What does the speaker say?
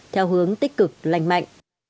theo hướng tích cực lành mạnh